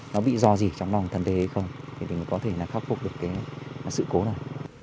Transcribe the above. nó bị dò gì trong lòng thần thế hay không thì mình có thể khắc phục được cái sự cố này